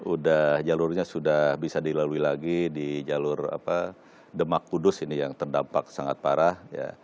udah jalurnya sudah bisa dilalui lagi di jalur demak kudus ini yang terdampak sangat parah